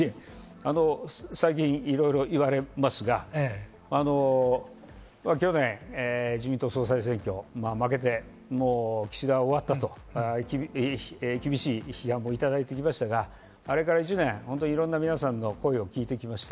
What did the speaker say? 最近いろいろ言われますが、去年、自民党総裁選挙負けて、もう岸田は終わったと厳しい批判もいただいてきましたが、あれから１年、いろんな皆さんの声を聞いてきました。